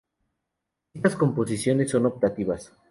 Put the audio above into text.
Estas composiciones son optativas.